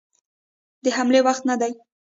د حملې وخت نه دی.